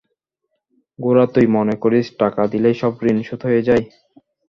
গোরা, তুই মনে করিস টাকা দিলেই সব ঋণ শোধ হয়ে যায়!